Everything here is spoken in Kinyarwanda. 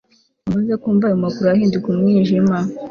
Amaze kumva ayo makuru ahinduka umwijima